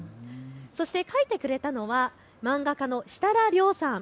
そして描いてくれたのは漫画家のしたら領さん。